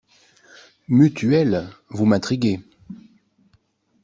Mutuelle. Vous m’intriguez!